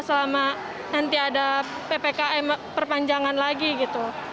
selama nanti ada ppkm perpanjangan lagi gitu